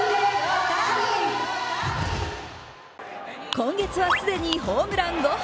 今月は既にホームラン５本。